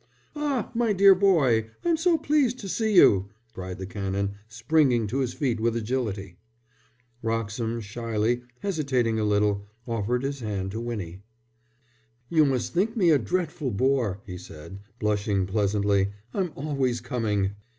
"Ah, my dear boy, I'm so pleased to see you," cried the Canon, springing to his feet with agility. Wroxham, shyly, hesitating a little, offered his hand to Winnie. "You must think me a dreadful bore," he said, blushing pleasantly, "I'm always coming."